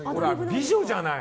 美女じゃない。